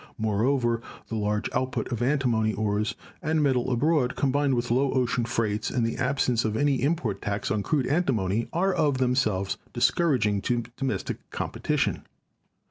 Moreover, the large out put of antimony ores and metal abroad, combined with low ocean freights and the absence of any import tax on crude antimony, are of themselves discouraging to do mestic competition.